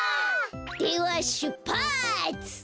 ではしゅっぱつ！